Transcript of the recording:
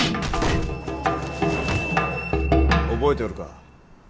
覚えておるか？